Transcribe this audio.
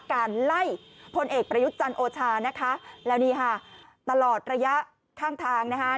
การไล่พลเอกประยุทธ์จันทร์โอชานะคะแล้วนี่ค่ะตลอดระยะข้างทางนะคะ